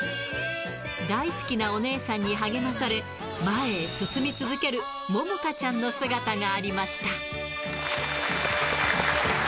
大好きなお姉さんに励まされ、前へ進み続けるももかちゃんの姿がありました。